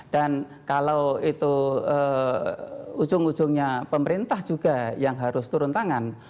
dan kalau itu ujung ujungnya pemerintah juga yang harus turun tangan